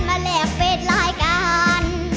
มาแหลกเวทรายการ